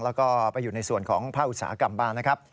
แล้วก็ไปอยู่ในส่วนของพระอุตสาหกรรมบ้าง